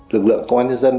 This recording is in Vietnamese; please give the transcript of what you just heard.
lực lượng công an nhân dân